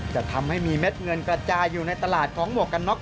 จะทำให้มีเม็ดเงินกระจายอยู่ในตลาดของหมวกกันน็อก